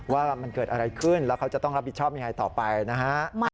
ว่ามันเกิดอะไรขึ้นแล้วเขาจะต้องรับผิดชอบยังไงต่อไปนะฮะ